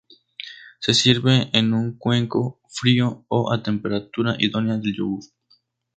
Se sirve en un cuenco, frío o a la temperatura idónea del yogur.